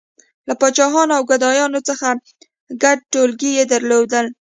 • له پاچاهانو او ګدایانو څخه ګډ ټولګی یې درلود.